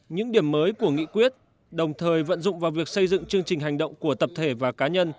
những điểm mới của nghị quyết đồng thời vận dụng vào việc xây dựng chương trình hành động của tập thể và cá nhân